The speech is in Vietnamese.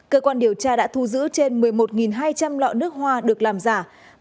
cơ quan điều tra đã thu giữ trên một mươi một hai trăm linh lọ nước hoa được làm giả